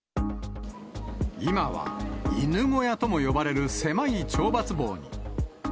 今は犬小屋とも呼ばれる狭い懲罰房に。